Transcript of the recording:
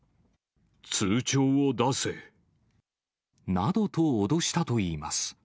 通帳を出せ。などと脅したといいます。